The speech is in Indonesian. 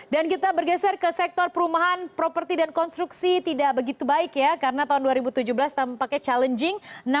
dan kita bergeser ke sektor perumahan properti dan konstruksi tidak begitu baik ya karena tahun dua ribu tujuh belas tampaknya challenging